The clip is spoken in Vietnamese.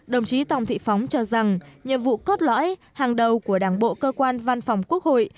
đồng chí tòng thị phóng cho rằng nhiệm vụ cốt lõi hàng đầu của đảng bộ cơ quan văn phòng quốc hội